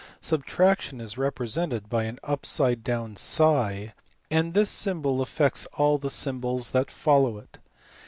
Subtraction is represented by >/i, and this symbol affects all the symbols that follow it.